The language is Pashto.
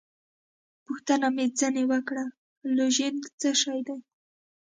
پوښتنه مې ځینې وکړه: لوژینګ څه شی دی؟